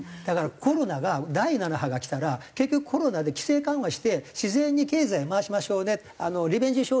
だからコロナが第７波がきたら結局コロナで規制緩和して自然に経済を回しましょうねリベンジ